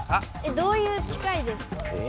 どういう「近い」ですか？